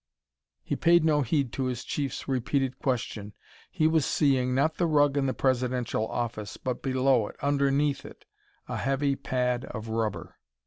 He paid no heed to his Chief's repeated question. He was seeing, not the rug in the Presidential office, but below it underneath it a heavy pad of rubber.